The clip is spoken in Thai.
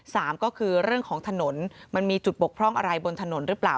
สามก็คือเรื่องของถนนมันมีจุดบกพร่องอะไรบนถนนหรือเปล่า